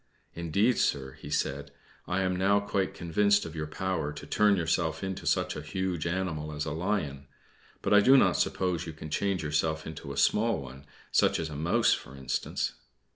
"Indeed, sir," he said, "I am now quite convinced of your power to turn yourself into such a huge animal as a lion; but I do not suppose you can change yourself into a small one such as a mouse, for instance?"